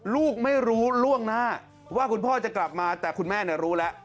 ลูกไม่รู้ล่วงหน้าว่าคุณพ่อจะกลับมาแต่คุณแม่รู้แล้ว